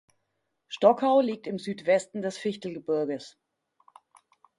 Stockau liegt im Südwesten des Fichtelgebirges.